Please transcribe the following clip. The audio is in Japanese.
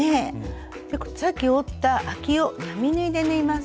さっき折ったあきを並縫いで縫います。